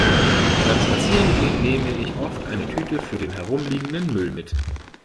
Beim Spazierengehen nehme ich oft eine Tüte für den herumliegenden Müll mit.